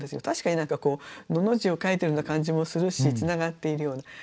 確かに何かこう「の」の字を書いてるような感じもするしつながっているような。